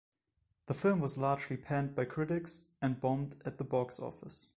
The film was largely panned by critics and bombed at the box office.